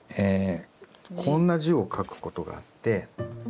こんな字を書くことがあって。